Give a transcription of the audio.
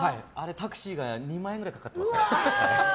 タクシーが２万円くらいかかって。